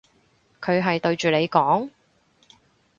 佢係對住你講？